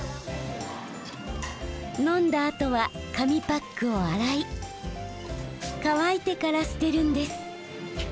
飲んだあとは紙パックを洗い乾いてから捨てるんです。